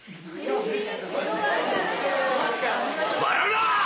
笑うな！